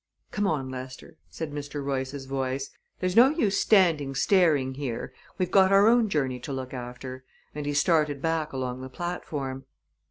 "Come on, Lester," said Mr. Royce's voice. "There's no use standing staring here. We've got our own journey to look after," and he started back along the platform.